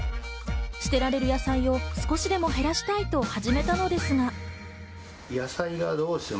捨てられる野菜を少しでも減らしたいと始めたのですが。